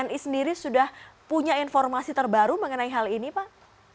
tni sendiri sudah punya informasi terbaru mengenai hal ini pak